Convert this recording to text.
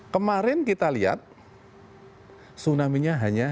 kemarin kita lihat tsunami nya hanya lima belas meter